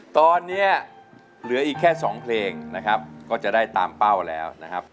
ตอนนี้เหลืออีกแค่๒เพลงนะครับก็จะได้ตามเป้าแล้วนะครับ